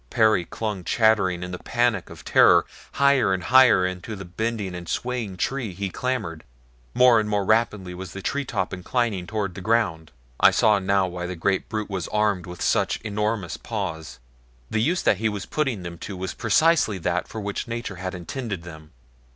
Perry clung chattering in a panic of terror. Higher and higher into the bending and swaying tree he clambered. More and more rapidly was the tree top inclining toward the ground. I saw now why the great brute was armed with such enormous paws. The use that he was putting them to was precisely that for which nature had intended them.